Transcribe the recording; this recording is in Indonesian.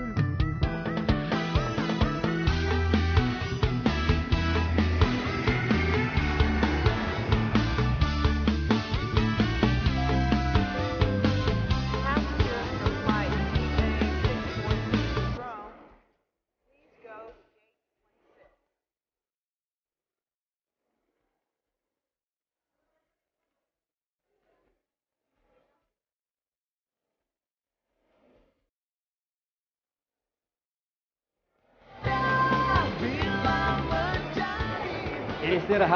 setanung dalam rumah